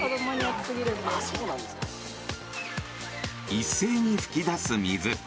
一斉に噴き出す水。